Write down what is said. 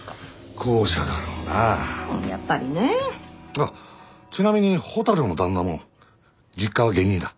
あっちなみに蛍の旦那も実家は下忍だ。